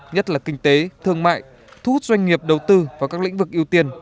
nhất là kinh tế thương mại thu hút doanh nghiệp đầu tư vào các lĩnh vực ưu tiên